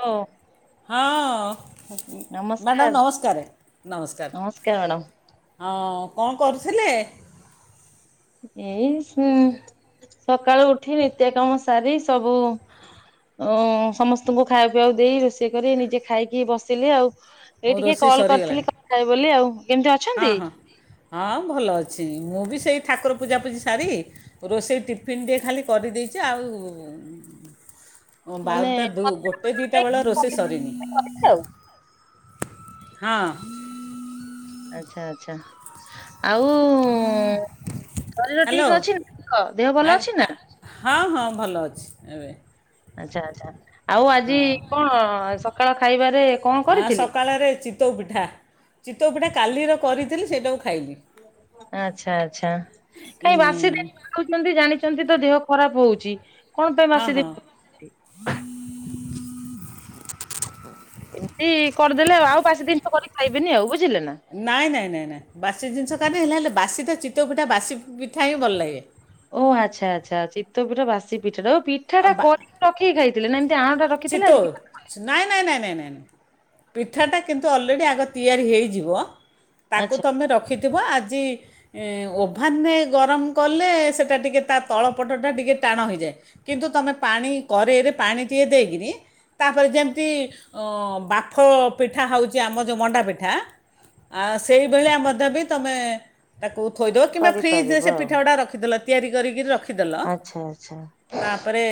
ହୋ ହଅଂ ମ୍ୟାଡ଼ାମ ନମସ୍କାର ନମସ୍କାର। ନମସ୍କାର ମ୍ୟାଡ଼ାମ ହଁ କଣ କରୁଥିଲେ? ଏଇ ସୁ ସକାଳୁ ଉଠି ନିତ୍ୟ କାମ ସାରି ସବୁ ଉଁ ସମସ୍ତଙ୍କୁ ଖାଇବା ପିଇବାକୁ ଦେଇ ରୋଷେଇ କରି ନିଜେ ଖାଇକି ବସିଲି ଆଉ। ମୋ ଏଇ ଟିକେ ରୋଷେଇ କଲ୍ ସରିଗଲାଣି କରିଥିଲି କଥାହେବି ବୋଲି ଆଉ କେମିତି ହଁ ଅଛନ୍ତି? ହଁ ହଁ ଭଲ ଅଛି ମୁଁ ବି ସେଇ ଠାକୁର ପୂଜାପୂଜି ସାରି। ରୋଷେଇ ଟିଫିନ୍ ଟେ ଖାଲି କରିଦେଇଚି ଆଉ ହଁ ମାନେ ବାରଟା ଦୁ ଗୋଟେ ଦୁଇଟା ବେଳେ ରୋଷେଇ ସରିନି। ହଁ। ଆଚ୍ଛା ଆଚ୍ଛା। ଆଉ ଉ ଶରୀର ହ୍ୟାଲୋ ଠିକ୍ ଅଛିନା ଙ୍କ ଦେହ ଭଲ ଅଛିନା? ହଁ ହଁ ଭଲ ଅଛି ଏବେ। ଆଚ୍ଛା ଆଚ୍ଛା ଆଉଆଜି ହଁ କଁ ସକାଳ ଖାଇବାରେ କଣ କରିଥିଲେ? ସଖାଳ ରେ ଚି ଚିତଉ ପିଠା ଚିତଉ ପିଠା କାଲିର କରିଥିଲି ସେଇଟାକୁ ଖାଇଲି। ଆଛା ଆଛା କାଇଁ ବାସିଦ [unintelligible] ଜାଣିଛନ୍ତି ତ ଦେହ ଖରାପ ହଉଛି। କଣ ପାଇଁ ହଁ ବାସି ହଁ। ଜିନିଷ ଏମିତି କରିଦେଲେ ଆଉ ବାସି ଦିନ କରି ଖାଇବନି ଆଉ ବୁଝିଲେ ନା। ନାଇଁ ନାଇଁ ନାଇଁ ନାଇଁ ବାସି ଜିନିଷ କାଦି ହେଲା ହେଲେ ବାସି ତ ଚିତଉ ଫିଟା ବାସି ପିଠା ହିଁ ଭଲ ଲାଗେ। ଓ ଆଚ୍ଛା ଆଚ୍ଛା ଚିତ୍ତ ପିଠା ବାସି ପିଠା ଓ ପିଠା ଆଉ ଟା କରି ରଖିକି ଖାଇଥିଲେ ନା ଏମିତି ଆଣଟାର ଚିତଓ ନାଇଁ ନାଇଁ ନାଇଁ ନାଇଁ ନାଇଁ ପିଠାଟା କିନ୍ତୁ ଅଲରେଡ଼ି ଆଗ ତିଆରି ହେଇଯିବ। ତାକୁ ଆଚ୍ଛା ତମେ ରଖିଥିବ ଆଜି ଓଭାନେ ଗରମ କଲେ ସେ ଟା ଟିକେ ତା ତଳ ପଟ ଟା ଟିକେ ଟାଣ ହେଇଯାଏ କିନ୍ତୁ ତମେ ପାଣି କରେଇରେ ପାଣି ଟିକଏ ଦେଇ କିରି ତାପରେ ଯେମିତି। ଅ ବାଫ ପିଠା ହଉଛି ଆମ ଯଉ ମଣ୍ଡା ପିଠା ଆ ସେଇଭଳିଆ ମ ଦେବି ତମେ। ତାକୁ ଥୋଇଦବ କିମ୍ବା ଫ୍ରିଜ ରେ କରିପାରିବ ସେ ଆଉ ପିଠା ଗୁଡା ରଖିଦେଲ ତିଆରି କରିକି ରଖିଦେଲ। ଆଚ୍ଛା ଆଚ୍ଛା। ତାପରେ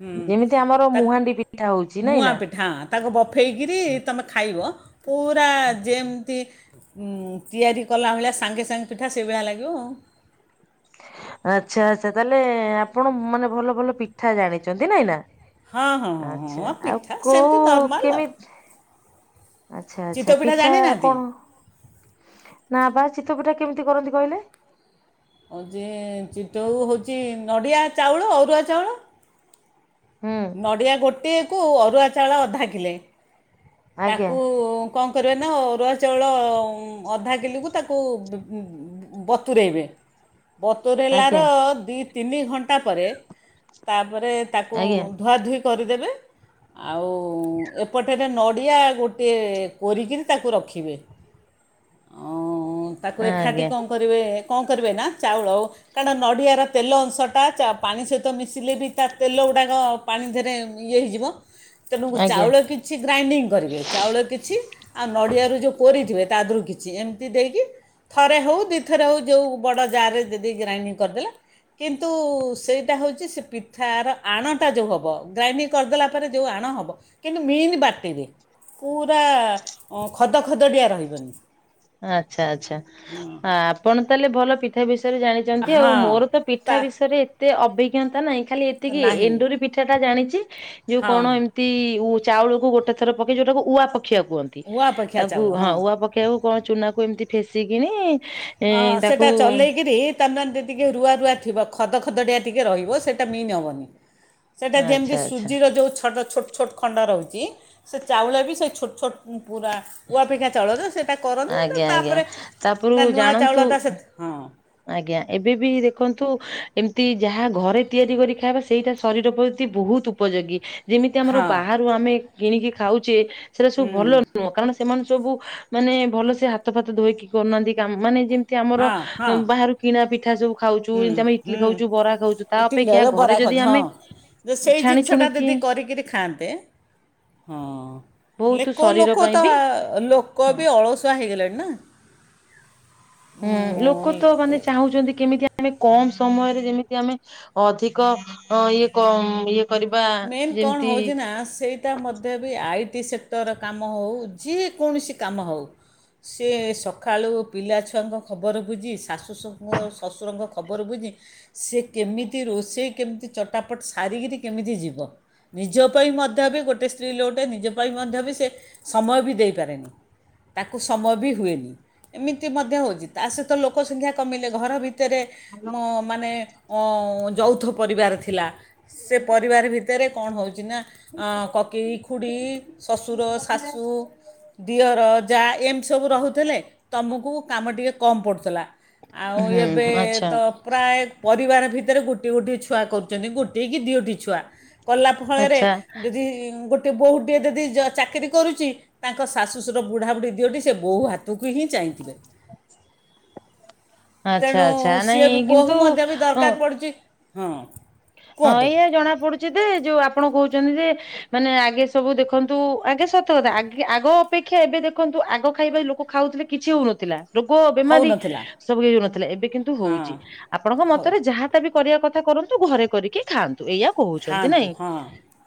ହୁଁ ଯିମିତି ଆମର ମୁହାଣ୍ଡି ପିଠା ହଉଛି ନାଇଁ ନା। ହାଁ ତାକୁ ବଫେଇକରି ତମେ ଖାଇବ ପୁରା ଯେମିତି ଉଁ ତିଆରି କଲା ଭଳିଆ ସାଙ୍ଗେ ସାଙ୍ଗେ ପିଠା ସେଇଭଳିଆ ଲାଗିବ। ଆଚ୍ଛା ଆଚ୍ଛା ତାହେଲେ ଆପଣ ମାନେ ଭଲ ଭଲ ପିଠା ଜାଣିଚନ୍ତି ନାଇଁ ନା। ଆଉ ହଁ ହଁ ହଁ ଆଛା ହଁ ଆଉ ପିଠା ସେମିତି କୋଉ ନର୍ମାଲ୍ ଆଉ କେମିତ ଆଚ୍ଛା ଚିତଉ ଆଚ୍ଛା ପିଠା ଜାଣିନାହାନ୍ତି କଣ ନା ବା ଚିତିତ ପିଠା କେମିତି କରନ୍ତି କହିଲେ? ହଉଚି ଚିତଉ ହଉଛି ନଢ଼ିଆ ଚାଉଳ ଅରୁଆ ଚାଉଳ। ହୁଁ ନଢ଼ିଆ ଗୋଟିଏକୁ ଅରୁଆ ଚାଉଳ ଅଧା କିଲେ ଆଜ୍ଞା ତାକୁ କଣ କରିଅ ନା ଆରୁଆ ଚାଉଳ ଅଧା କିଲୋକୁ ତାକୁ ବତୁରଇବେ ବତୁରେଇଲାର ଆଜ୍ଞା ଦି ତିନି ଘଣ୍ଟା ପରେ ତାପରେ ତାକୁ ଆଜ୍ଞା ଧୁଆଧୂଇ କରିଦେବେ। ଆଉ ଏପଟରେ ନଡ଼ିଆ ଗୋଟିଏ କରୋରିକିରି ତାକୁ ରଖିବେ। ଅଁ [inaudible] ତାକୁ ଏକାଠି କଣ କରିବେ କଣ କରିବେ ନା ଚାଉଳ କାଣ୍ଡ ନଡ଼ିଆର ତେଲ ଅଂଶଟା ଚା ପାଣି ସହିତ ମିଶିଲେ ବି ତା ତେଲ ଗୁଡ଼ାକ ପାଣି ଦେରେ ଇଏ ହେଇଯିବ ତେଣୁ ଆଜ୍ଞା। ଚାଉଳ କିଛି ଗ୍ରାଇଣ୍ଡିଙ୍ଗ କରିବେ ଚାଉଳ କିଛି ଆଉ ନଡ଼ିଆରୁ ଯୋଉ କୋରିଥିବେ ତାଦରୁ କିଛି ଏମିତି ଦେଇକି। ଥରେ ହଉ ଦୁଇଥରେ ହେଉ ଯେଉଁ ବଡ଼ ଜାରେ ଯଦି ଗ୍ରାଇଣ୍ଡିଙ୍ଗ କରିଦେଲେ। କିନ୍ତୁ ସେଇଟା ହେଉଛି ସେ ପିଠାର ଆଣଟା ଯେଉ ହ ବ ଗ୍ରାଇଣ୍ଡିଙ୍ଗ କରିଦେଲା ପରେ ଯୋଉ ଆଣ ହବ କିନ୍ତୁ ମିନ୍ ବାଟିରେ। ପୁରା ଖଦଖଦଡିଆ ରହିବନି। ଆଚ୍ଛା ଆଚ୍ଛା ଆପଣ ତାହେଲେ ଭଲ ପିଠା ବିଷୟରେ ଜାଣି ନ୍ତି ଆଉ ମୋର ତ ପିଠା ତା ବିଷୟରେ ଏତେ ଅଭି ଜ୍ଞନ୍ତା ନାଇଁ ଖାଲି ଏତିକି ନାହିଁ ଏଣ୍ଡୁରି ପିଠା ଟା ଜାଣିଚି ଯୋଉ ହଁ କଣ? ତି ଚାଉଳକୁ ଗୋଟେ ଥର ପକେଇ ଯୋଉଟାକୁ ଉଆ ପକ୍ଷିଆ କୁହନ୍ତି ଉଆ ଅପେକ୍ଷା ତାକୁ ଚାଉଳ ହଁ ଉଆ ପ କ୍ଷିଉ କଣ ଚୁନାକୁ ଏମିତି ଫେସିକିଣି। ଅ ସେଟା ଚଲେଇକିରି ତାନୱାନ ଯେତିକି କ୍ଯୁବ ରୁଆ ରୁଆ ଥିବ ଖଦଳ ଖଦ ଡିଆ ଟିକେ ରହିବ ସେଇଟା ମିନ୍ ହେବନି। ସେଇଟା ଆଚ୍ଛା ଯେମିତି ଆଚ୍ଛା ସୁଜିର ଯୋଉ ଛଡ଼ ଛୋଟ ଛୋଟ ଖଣ୍ଡ ରହୁଛି ସେ ଚାଉଳ ବି ସେ ଛୋଟ ଛୋଟ। ପୁରା ଉଆପିକା ଚାଉଳ ଯେ ସେଇଟା କରନ୍ତି ନା ଆଜ୍ଞା ଆଜ୍ଞା ତାପରେ ତାପରୁ ନା ନୂଆ ଜାଣନ୍ତୁ ଚାଉଳଟା ସେ ହଁ। ଆଜ୍ଞା ଏବେ ବି ଦେଖନ୍ତୁ ଏମିତି ଯାହା ଘରେ ତିଆରି କରି ଖାଇବା ସେଇଟା ଶରୀର ପ୍ରତି ବହୁତ ଉପଯୋଗୀ ଯେମିତି ଆମର ହଁ ବାହାରୁ ଆମେ କିଣିକି ଖାଉଚେ ସେଟା ସବୁ ହୁଁ ଭଲ ନୁହଁ କାରଣ ସେମାନେ ସବୁ ମାନେ ଭଲସେ ହାତ ଫାତ ଧୋଇକି କରୁନାହାନ୍ତି କାମ-ମାନେ ଯେମିତି ଆମର ହଁ ହଁ ବାହାରୁ କିଣା ପିଠା ସବୁ ଖାଉଚୁ ହୁଁ ଯେମିତି ଆମେ ଇଟଲି ହୁଁ ଖାଉଚୁ ବରା ଖାଉଚୁ ତା ଅପେକ୍ଷା ଘରେ ଯଦି ଆମେ ଯୋ ସେଇ ଛାଣି ଜିନିଷଟା ଛୁଣିକି ଦିଦି କରିକିରି ଖାଆନ୍ତେ ହଁ ହେଲେ ବହୁତ କୋଉ ଶରୀର ପାଇଁ ଲୋକତ ବି ଆ ଲୋକ୍ ହଁ କବି ଅଳସୁଆ ହେଇଗଲାଣି ନା। ହୁଁ ଲୋକ ତ ମାନେ ଚାହୁଁଚନ୍ତି କେମିତି ଆ ଆମେ କମ୍ ସମୟରେ ଯେମିତି ଆମେ ଅଧିକ ଇଏ କମ୍ ଇଏ କରିବା ଯେମିତି ଆଁ ସେଇ ଟା ମଧ୍ୟ ବି ଆଇ ଟି ସେକ୍ଟର କାମ ହଉ ଯେ କୌଣସି କାମ ହଉ ସିଏ ସକାଳୁ ପିଲାଛୁଆଙ୍କ ଖବର ବୁଝି ଶାଶୁ ଶ-ଶଶୁରଙ୍କ ଖବର ବୁଝି ସିଏ କେମିତି ରୋଷେଇ କେମିତି ଚଟାପଟ୍ ସାରିକିରି କେମିତି ଯିବ୍ ବ ନିଜ ପାଇଁ ମଧ୍ୟ ବି ଗୋଟେ ସ୍ତ୍ରୀ ଲୋକଟେ ନିଜ ପାଇଁ ମଧ୍ୟ ବି ସେ ସମୟ ବି ଦେଇପାରେନି। ତାକୁ ସମୟ ବି ହୁଏନି ଏମିତି ମଧ୍ୟ ହଉଚି। ତା ସହିତ ଲୋକ ସଂଖ୍ୟା କମିଲେ ଘର ଭିତ ତେରେ ମୋ-ମାନେ ଉଁ ଯୌଥ ପରିବାର ଥିଲା। ସେ ପରିବାର ଭି ତେରେ କଣ ହଉଚି ନା କକେଇ ଖୁଡୀ ଶଶୁର ଶାଶୁ ଦିଅର ଯା ଏମିତି ସବୁ ରହୁଥିଲେ ତମୁକୁ କାମ ଟିକେ କମ୍ ପଡୁଥେଲା ଆଉ ହୁଁ ଏବେ ଆଚ୍ଛା ତ ପ୍ରାୟେ ପରିବାର ଭିତେରେ ଗୋଟିଏ ଗୋଟିଏ ଛୁଆ କରୁଚନ୍ତି ଗୋଟିଏ କି ଦିଓଟି ଛୁଆ। କଲା ଫଳେରେ ଆଚ୍ଛା ଯଦି ଗୋଟିଏ ବୋହୁଟିଏ ଯଦି ଯ ଚାକିରି କରୁଚି ତାଙ୍କ ଶାଶୁଶୁର ବୁଢାବୁଢି ଦିଓଟି ସେ ବୋହୂ ହାତୁକୁ ହିଁ ଚାହିଁଥିବେ। ଆଚ୍ଛା ତେଣୁ ଆଚ୍ଛା ସିଏ ନାଇଁ ବି ବୋହୂ କିନ୍ତୁ ମଧ୍ୟ ବି ହଁ ଦରକାର ପଡୁଚି ହଁ ହଁ କୁହନ୍ତୁ ଏଇଆ ଜଣା ପଡୁଚି ଦେ ଯୋଉ ଆପଣ କହୁଚନ୍ତି ଯେ ମାନେ ଆଗେ ସବୁ ଦେଖନ୍ତୁ ଆଜ୍ଞା ସତକଥା ଆଗେ ଆଗ ଅପେକ୍ଷା ଏବେ ଦେଖନ୍ତୁ ଆଗ ଖାଇବା ଲୋକ ଖାଉଥିଲେ କିଛି ହଉନଥିଲା ରୋଗ ବେମାରୀ ହେଉନଥିଲା ସବୁ ହେଉନଥିଲା ଏବେ କିନ୍ତୁ ହଁ ହଉଚି। ଆପଣଙ୍କ ହଉ ମତରେ ଯାହାଟା ବି କରିବା କଥା କରୁନ୍ତୁ ନ୍ତୁ ଘରେ କରିକି ଖାଆନ୍ତୁ, ଏଇଆ କହୁଚନ୍ତି ଖାଆନ୍ତୁ ନାଇଁ। ହଁ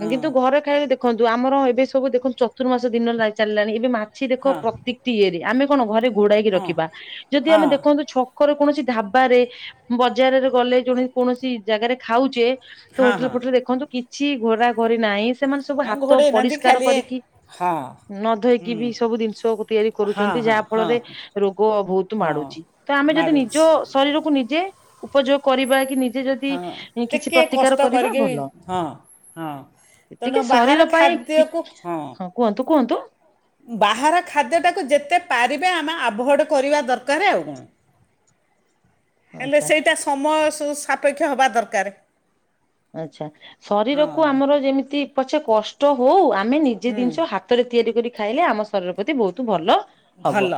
ହଁ କିନ୍ତୁ ଘରେ ଖାଲିଦେଖନ୍ତୁ ଆମର ଏବେ ସବୁ ଦେଖନ୍ତୁ ଚତୁର୍ମାସ ଦିନ ଲା-ଚାଲିଲାଣି ଏବେ ମାଛି ଦେଖ ହଁ ପ୍ରତି ତିଇଏରେ ଆମେ କଣ ଘରେ ଘୋଡାଇକି ହଁ ହଁ ରଖିବା ଯଦି ଆମେ ଦେଖନ୍ତୁ ଛ କରେ କୌଣସି ଢାବାରେ ବଜାରରେ ଗଲେ ଜଣେ କୌଣସି ଜାଗାରେ ଖାଉଚେ ତ ହଁ ହୋଟେଲ୍ ହଁ ଫୋଟେଲ୍ ଦେଖନ୍ତୁ କିଛି ଘୋରା ଘୋରି ନାଇଁ, ସେମାନେ ସବୁ ଆଉ ହାତ ଘୋଡ଼େଇ ନାହାନ୍ତି ଅପରିଷ୍କାର ଖାଲି କରିକି ହଁ। ନ ଧୋଇକି ହୁଁ ବି ସବୁ ଦିନିଷକୁ ତିଆରି ହଁ କରୁଚନ୍ତି ହଁ ଯାହା ଫଳରେ ହଁ ରୋଗ ବହୁତ ହଁ ମାଡୁଚି। ତ ଆମେ ଯଦି ମାଡ଼ୁଛି ନିଜ ଶରୀରକୁ ନିଜେ ଉପଯୋଗ କରିବା କି ନିଜେ ଯଦି ହଁ ଆଁ କିଛି ଟିକେ ପ୍ରତିକାର କଷ୍ଟ କରିବା କରିକି ଭଲ। ହଁ ହଁ ତେଣୁ ଏତିକି ବାହାର ଶରୀର ପାଇଁ ଖାଦ୍ୟକୁ ଠିକ୍ ହଁ କୁହନ୍ତୁ କୁହନ୍ତୁ। ବାହାର ଖାଦ୍ୟଟାକୁ ଯେତେ ପାରିବେ ଆମେ ଆଭୋଏଡ୍ କରିବା ଦରକାର ଆଉ କଣ। ହେଲେ ଆଚ୍ଛା ସେଇଟା ସମୟ ସୁ-ସାପେକ୍ଷ ହବା ଦରକାରେ। ଆଚ୍ଛା ଶରୀରକୁ ହଁ ଆମର ଯେମିତି ପଛେ କଷ୍ଟ ହଉ ଆମେ ନିଜେ ହୁଁ ଦିନିଷ ହା ହାତରେ ତିଆରି କରି ଖାଇଲେ ଆମ ଶରୀର ପ୍ରତି ବହୁତ ଭଲ ହବ ଭଲ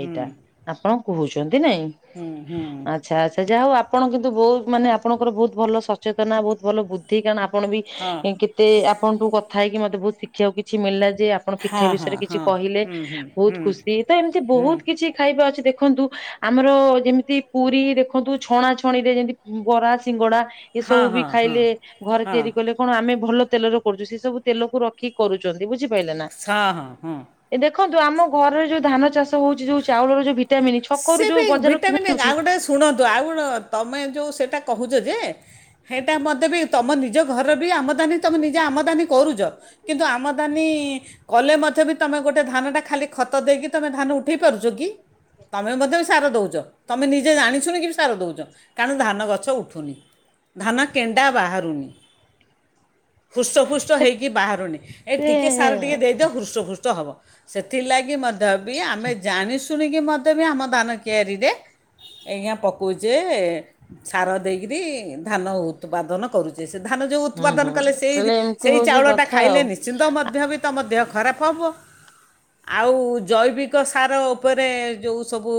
ହୁଁ ଆପଣ କହୁଚନ୍ତି ନାଇଁ? ହୁଁ ହୁଁ ଆଚ୍ଛା ଆଚ୍ଛା ଯାହଉ ଆପ୍ ଆପଣ କିନ୍ତୁ ବହୁ ମାନେ ଆପଣଙ୍କର ବହୁତ୍ ଭଲ ସଚେତନା ବହୁତ୍ ଭଲ ବୁଦ୍ଧି କାରଣ ଆପଣ ବି ହଁ ଇଁ କେତ୍ ମତେ ଆପଣଠଙ୍କୁ କଥା ହେଇକି ମତେ ବହୁତ ଶିଖିବାକୁ କିଛି ମିଳିଲା ଯେ ଆପଣ ପିଠା ହଁ ହଁ ବିଷୟରେ କିଛି ହଁ କହିଲେ ହୁଁ ହୁଁ ବହୁତ ହୁଁ ଖୁସି ତ ଏମିତି ହୁଁ ବହୁତ କିଛି ଖାଇବା ଅଛି ଦେଖନ୍ତୁ। ଆମର ଯେମିତି ପୁରୀ ଦେଖନ୍ତୁ ଛଣା ଛଣିରେ ଯେମିତି ବରା ସିଙ୍ଗଡା। ଏ ହଁ ସବୁ ବି ହଁ ହଁ ଖାଇଲେ ଘରେ ହଁ ତିଆରି କଲେ କଣ ଆମେ ଭଲ ତେଲରେ କରୁଛେ ସେ ସବୁ ତେଲକୁ ରଖିକି। କରୁଛନ୍ତି ବୁଝିପାରିଲେ ନା। ହଁ ହଁ ହଁ ଏ ଦେଖନ୍ତୁ ଆମ ଘରରେ ଯୋଉ ଧାନ ଚାଷ ହଉଛି ଯୋଉ ଚାଉଳର ଯୋଉ ଭିଟା ମିନି ସେ ଛକରୁ ବି ଯୋଉ ବଜାରରୁ ଭିଟାମିନ୍ କିଣାହଉଛି ଆଉ ଗୋଟେ ଶୁଣନ୍ତୁ ଆଉ ତମେ ଯେଉଁ ସେଇଟା କହୁଛ ଯେ ସେଇଟା ମୋତେ ବି ତମ ନିଜ ଘରେ ବି ଆମଦାନୀ ତମେ ନିଜେ ଆମଦାନୀ କରୁଛ କିନ୍ତୁ ଆମଦାନୀ କଲେ ମଧ୍ୟ ବି ତମେ ଗୋଟେ ଧାନ ଟା ଖାଲି ଖତ ଦେଇକି ତମେ ଧାନ ଉଠେଇ ପାରୁଛ କି। ତମେ ମଧ୍ୟ ବି ସାର ଦଉଛ ତମେ ନିଜେ ଜଣିଛୁନି କି ବି ସାର ଦେଉଛ କାରଣ ଧାନ ଗଛ ଉଠୁନି। ଧାନ କେଣ୍ଡା ବାହାରୁନି। [unintelligible] ହୃସ ଫୃଷ୍ଟ ସେଟା ହେଇକି ବାହାରୁନି ଏ ସେ ଟିକି ସାର ଟିକେ ଦେଇଦିଅ ହୃସ ହୃଷ୍ଟ ହବ। ସେଥିଲାଗି ମଧ୍ୟ ବି ଆମେ ଜାଣି ଶୁଣିକି ମଧ୍ୟ ବି ଆମ ଧାନ କିଆରିରେ ଆଜ୍ଞା ପକଉଛେ ସାର ଦେଇକରି ଧାନ ଉତ୍ପାଦନ କରୁଛ। ସେ ଧନ ଯୋଉ ହୁଁ ଉତ୍ପାଦନ କଲେ ହୁଁ ସେଇ ତାହେଲେ ଏମିତି ସେଇ ହଉଛି ଚାଉଳ ଟା କଥା ଖାଇଲେ ଆଉ। ନିଶ୍ଚିନ୍ତ ମଧ୍ୟ ବି ମଧ୍ୟ ଦେହ ଖରାପ ହେବ ଆଉ ଜୈବିକ ସାର ଉପରେ ଯୋଉ ସବୁ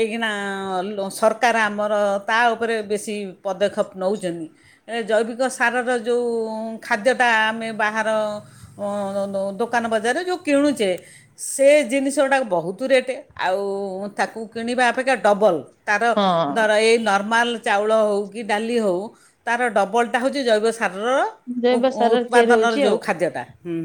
ଏଇକିନା ସରକାର ଆମର ତା ଉପରେ ବେଶୀ ପଦକ୍ଷେପ ନେଉଛନ୍ତି। ଏ ଜୈବିକ ସାରର ଯେଉଁ ଖାଦ୍ୟଟା ଆମେ ବାହାର ଅ ଦୋକାନ ବଜାରରେ ଯୋଉ କିଣୁଛେ। ସେ ଜିନିଷ ଗୁଡାକ ବହୁତ ରେଟ୍ ଆଉ ତାକୁ କିଣିବା ଅପେକ୍ଷା ଡବଲ୍ ତାର ହଁ ଧର ଏଇ ନର୍ମାଲ ଚାଉଳ ହଉ କି ଡାଲି ହଉ ତାର ଡବଲ୍ଟା ହେଉଛି ଜୈବିକ ସାରର ଜୈବ ସାରରେ ତିଆରି ଉତ୍ପାଦନର ହଉଛି ଯୋଉ ଆଉ। ଖାଦ୍ୟଟା ହୁଁ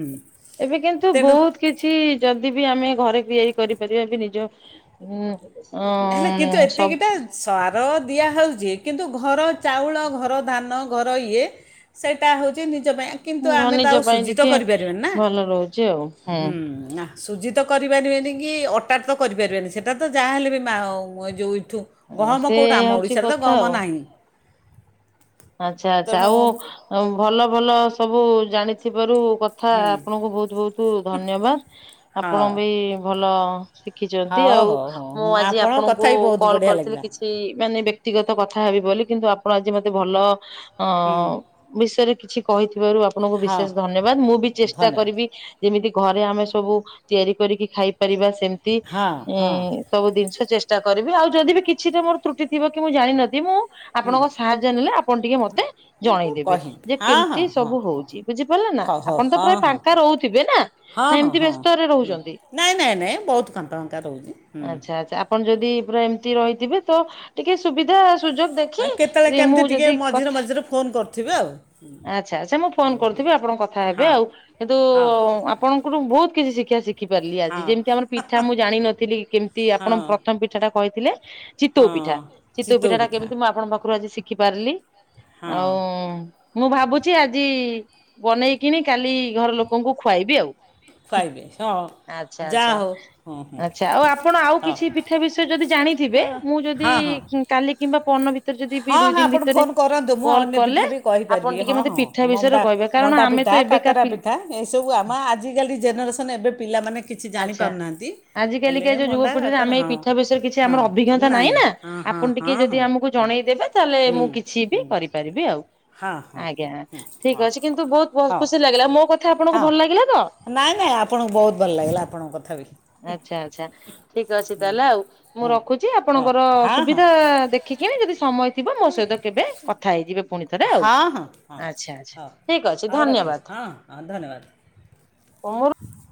ଏବେ କିନ୍ତୁ ତେଣୁ ବହୁତ କିଛି ଯଦି ବି ଆମେ ଘରେ ତିଆରି କରିପାରିବା ବି ନିଜ ଉଁ ଅ ହେଲେ କିନ୍ତୁ ଏତିକିଟା ସାର ଦିଆହଉଛି କିନ୍ତୁ ଘର ଚାଉଳ ଘର ଧାନ ଘର ଇଏ। ସେଇଟା ହେଉଛି ନିଜ ପାଇଁ କିନ୍ତୁ ସବୁ ଆମେ ତ ଆଉ ନିଜ ପାଇଁ ସୁଜିତ ଟିକେ କରିପାରିବାନ ନା ଭଲ ରହୁଛି ଆଉ ହୁ ହୁଁ। ନା। ସୁଜିତ କରିପାରିବେନି କି ଅଟାରେଟ ତ କରିପାରିବେନି ସେଇଟା ତ ଯାହାହ ହେଲେ ବି ମା ଯେଉଁଇଠୁ - ଗହମ ସେ କଉଁଠୁ ଆମ ହଉଛି ଓଡ଼ିଶାରେ ତ କଥା ଗହମ ନାହିଁ। ଆଛା ଆଚ୍ଛା ତେଣୁ ଆଉ ଭଲ ଭଲ ସବୁ ଜାଣିଥିବାରୁ କଥା ଆପଣଙ୍କୁ ବହୁତ ବହୁତ ଧନ୍ୟବାଦ ହଁ ଆପଣ ବି ଭଲ ଶିଖିଛନ୍ତି ହଉ ଆଉ ହଉ ହଉ ହଁ ମୁଁ ଆଜି ଆପଣଙ୍କ କଥା ଆପଣଙ୍କୁ ବି ବହୁତ କଲ ବଢ଼ିଆ କରିଥିଲି ଲାଗିଲା କିଛି ସେ ମାନେ ବ୍ୟକ୍ତିଗତ କଥା ହେବି ବୋଲି କିନ୍ତୁ ଆପଣ ଆଜି ମତେ ଭଲ ଅ ହୁଁ ବିଷୟରେ କିଛି କହିଥିବାରୁ ଆପଣଙ୍କୁ ହଁ ବିଶେଷ ଧନ୍ୟବାଦ ମୁଁ ବି ଚେଷ୍ଟା ଧନ୍ୟବାଦ କରିବି ଯେମିତି ଘରେ ଆମେ ସବୁ ତିଆରି କରିକି ଖାଇପାରିବା ସେମିତି। ହଁ ହଁ ସବୁ ଜିନିଷ ଚେଷ୍ଟା କରିବି ଆଉ ଯଦି ବି କିଛିଟା ମୋର ତ୍ରୁଟି ଥିବ କି ମୁଁ ଜାଣିନଥିଲି ମୁଁ ଆପଣଙ୍କ ସାହାଯ୍ୟ ନେଲେ ଆପଣ ଟିକେ ମତେ ମୁଁ ଜଣେଇଦେବେ କହିବି ଯେ ହଁ କେମିତି ହଁ ହଁ ସବୁ ହଁ ହଉଛି ବୁଝିପାରିଲେ ନା ହଉ ହଉ, ଆପଣ ତ ହଁ ପ୍ରାୟ ହଁ ଫାଙ୍କା ରହୁଥିବେ ନା। ହଁ ନା ହଁ ଏମିତି ବ୍ୟସ୍ତରେ ହଁଁ ରହୁଛନ୍ତି। ନାଇଁ ନାଇଁ ନାଇଁ ବହୁତ ଖାତା ଫଙ୍କା ରହୁଛି। ଆଚ୍ଛା ଆଚା ଆପଣ ଯଦି ପୁରା ଏମିତି ରହିଥିବେ ତ ଟିକେ ସୁବିଧା ସୁଯୋଗ ଦେ ହଁ କେତେବେଳେ ମୁଁ କେମିତି ଟିକେ ଯଦି ମଝିରେ କଥା ମଝିରେ ଫୋନ୍ କରୁଥିବେ ଆଚ୍ଛା ଆଛା ମୁଁ ଫୋନ କରୁଥିବି ଆପଣଙ୍କ କଥା ହେବେ ଆଉ। କିନ୍ତୁ ହଁ ଆପଣଙ୍କଠୁ ବହୁତ୍ କିଛି ଶିକ୍ଷା ଶିକ୍ ଖିପାରିଲି ହଁ ଆଜି ଯେମିତି ଆମର ପିଠା ମୁଁ ଜାଣିିନଥିଲି କେମିତି ହଁ ଆପଣ ହଁ ପ୍ରଥମ ପିଠା ଟା କହିଥିଲେ। ଚିତଉ ପିଠା ଚିତଉ ପିଠା ଟା କେମିତି ମୁଁ ଆପଣଙ୍କ କରି ଶିଖି ପାରିଲି ହଁ ଆଉ ମୁଁ ଭାବୁଛି ଆଜି ବନେଇକିନି କାଲି ଘର ଲୋକଙ୍କୁ ଖୁଆଇବି ଆଉ। ଖୁଆଇବେ ହଁ ଆଛା ଯାହା ଆଛା ହଉ ହଁ ଆଚ୍ଛା ଆଉ ଆପଣ ଆଉ ହଁ କିଛି ପି ଠା ବିଷୟରେ ଯଦି ଜାଣିଥିବେ ହଁ ମୁଁ ଯଦି ହଁ ହଁ କାଲି କିମ୍ବା ପନ ହଁ ହଁ ଆପଣ ଫୋନ କରନ୍ତୁ ମୁଁ ଅନ୍ୟ କଲେ ପିଠା ବି ଆପଣ କହିପାରିବି ଟିକେ ହଁ ମତେ ହଁ ପିଠା ମମ୍ ବିଷୟରେ ଟା କହିବେ କାରଣ ଆମେ ତ ମଣ୍ଡାପିଠା ଏବେକା କାକରା ପି ପିଠା ଏସବୁ ଆମ ଆଜିକାଲି ଜେନେରେସନ୍ ଏବେ ପିଲାମାନେ କିଛି ଜାଣି ପାରୁନାହାଁନ୍ତି। ଆଜିିକାଲିକା ଯୋଉ ଯୁବପିଢିରେ ଆମେଇ ପିଠା ବିଷୟରେ କିଛି ଆମର ହଁ ଅଭିଜ୍ଞତା ନାହିଁ ନାଇଁ ନା ହଁ ଆପଣ ହଁ ଟିକେ ହଁ ହଁ ଯଦି ଆମକୁ ଜଣେଇଦବେ ତାହେଲେ ହୁଁ ମୁଁ କିଛି ବି ହୁଁ କରିପାରିବି ଆଉ। ହଁ ହଁ ଆଜ୍ଞା ହୁଁ ହୁଁ ଠିକ୍ ଅଛି କିନ୍ତୁ ବହୁତ୍ ବହୁ ହଁ ହଁ ଖୁସି ଲାଗିଲା ମୋ କଥା ଆପଣଙ୍କୁ ହଁ ଭଲ ଲାଗିଲା ତ। ନାଇଁ ନାଇଁ ଆପଣଙ୍କୁ ବହୁତ ଭଲ ଲାଗିଲା ଆପଣଙ୍କ କଥା ବି ଆଚ୍ଛା ଆଚ୍ଛା ଠିକ୍ ଅଛି ତାହେଲେ ଆଉ। ମୁଁ ହଁ ରଖୁଛି ହଁ ଆପଣଙ୍କର ହଁ ହଁ ହଁ ସୁବିଧା ଦେଖ ଦେଖିବେ ଯଦି ସମୟ ଥିବ ମୋ ସହିତ କେବେ କଥା ହେଇଯିବେ ପୁଣି ଥରେ ଆଉ ହଁ ହଁ ଆଚ୍ଛା ଆଚ୍ଛା। ହଉ ଠିକ ଅଛି ହଉ ରଖନ୍ତୁ ଧନ୍ୟବାଦ ହଁ ହଁ ଧନ୍ୟବାଦ ତମର